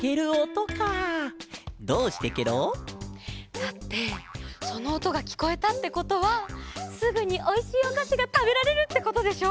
だってそのおとがきこえたってことはすぐにおいしいおかしがたべられるってことでしょ？